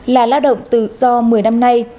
là lao động tự do một mươi năm nay